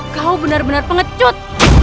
kau benar benar pengecut